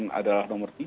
kemarin adalah nomor tiga